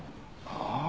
ああ。